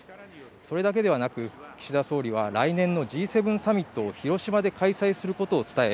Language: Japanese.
それだけではなく、岸田総理は来年のＧ７サミットを広島で開催することを伝え